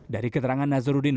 dari keterangan nazaruddin